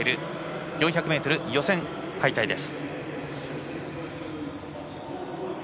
４００ｍ予選敗退です。